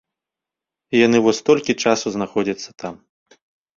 І яны вось столькі часу знаходзяцца там.